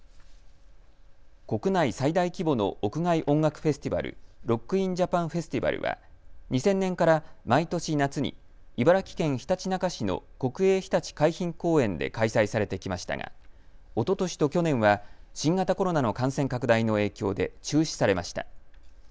国内最大規模の屋外音楽フェスティバル、ロック・イン・ジャパン・フェスティバルは２０００年から毎年夏に茨城県ひたちなか市の国営ひたち海浜公園で開催されてきましたがおととしと去年は新型コロナの感染拡大の影響で中止されました。